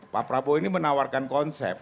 pak prabowo ini menawarkan konsep